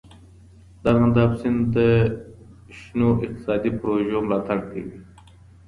د ارغنداب سیند د شنو اقتصادي پروژو ملاتړ کوي.